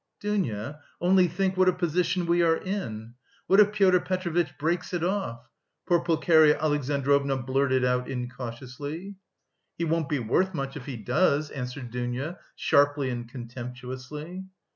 "Dounia, only think what a position we are in! What if Pyotr Petrovitch breaks it off?" poor Pulcheria Alexandrovna blurted out, incautiously. "He won't be worth much if he does," answered Dounia, sharply and contemptuously.